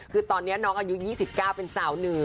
คือตอนนี้น้องอายุ๒๙เป็นสาว๑